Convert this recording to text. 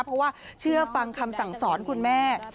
เพราะว่าเชื่อฟังคำสั่งสอนคุณแม่